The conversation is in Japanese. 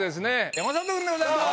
山里君でございます。